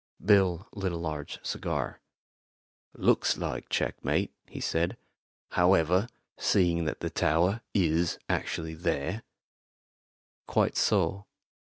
Bill lit a large cigar. "Looks like checkmate," he said. "However, seeing that the tower is actually there " "Quite so.